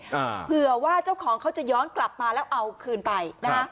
อ่าเผื่อว่าเจ้าของเขาจะย้อนกลับมาแล้วเอาคืนไปนะฮะ